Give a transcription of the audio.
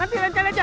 nanti rencan aja